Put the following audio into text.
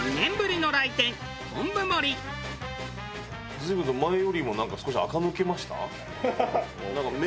随分と前よりもなんか少しあか抜けました？